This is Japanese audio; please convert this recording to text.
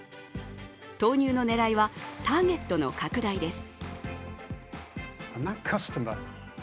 投入の狙いは、ターゲットの拡大です。